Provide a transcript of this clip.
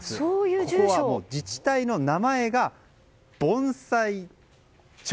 ここは自治体の名前が盆栽町。